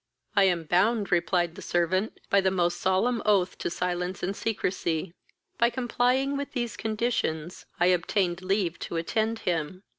"I am bound (replied the servant) by the most solemn oath to silence and secresy. By complying with these conditions I obtained leave to attend him.